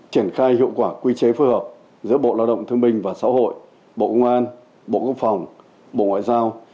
triển khai hiệu quả quy chế phối hợp giữa bộ lao động thương minh và xã hội bộ công an bộ quốc phòng bộ ngoại giao